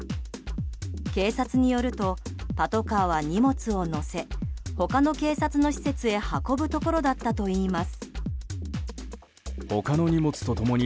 警察によるとパトカーは荷物を載せ他の警察の施設へ運ぶところだったといいます。